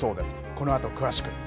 このあと詳しく。